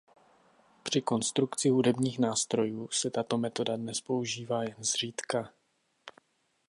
Při konstrukci hudebních nástrojů se tato metoda dnes používá jen zřídka.